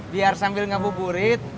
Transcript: biar sambil ngebuburit